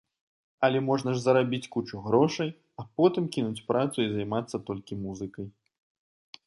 Але можна ж зарабіць кучу грошай, а потым кінуць працу і займацца толькі музыкай.